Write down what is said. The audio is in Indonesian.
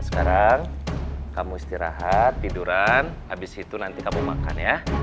sekarang kamu istirahat tiduran abis itu nanti kamu makan ya